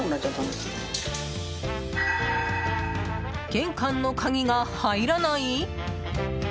玄関の鍵が入らない？